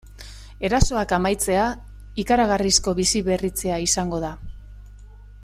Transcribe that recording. Erasoak amaitzea ikaragarrizko biziberritzea izango da.